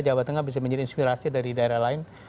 jawa tengah bisa menjadi inspirasi dari daerah lain